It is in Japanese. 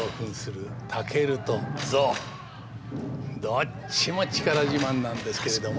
どっちも力自慢なんですけれども。